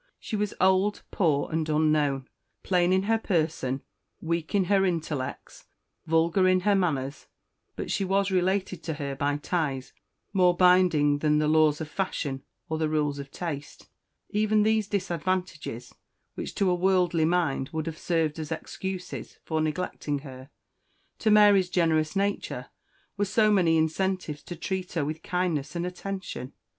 She was old, poor, and unknown, plain in her person, weak in her intellects, vulgar in her manners; but she was related to her by ties more binding than the laws of fashion or the rules of taste. Even these disadvantages, which, to a worldly mind, would have served as excuses for neglecting her, to Mary's generous nature were so many incentives to treat her with kindness and attention.